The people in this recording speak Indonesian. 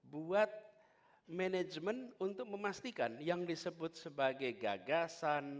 buat manajemen untuk memastikan yang disebut sebagai gagasan